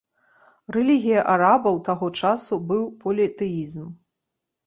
Рэлігія арабаў, таго часу, быў політэізм.